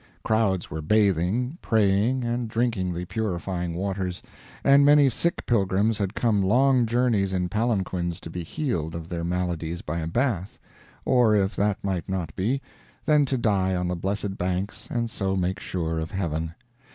Crowds were bathing, praying, and drinking the purifying waters, and many sick pilgrims had come long journeys in palanquins to be healed of their maladies by a bath; or if that might not be, then to die on the blessed banks and so make sure of heaven.